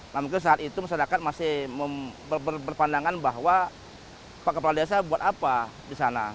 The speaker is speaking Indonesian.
nah mungkin saat itu masyarakat masih berpandangan bahwa pak kepala desa buat apa di sana